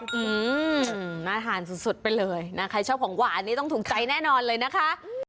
อืมน่าทานสุดสุดไปเลยนะใครชอบของหวานนี่ต้องถูกใจแน่นอนเลยนะคะ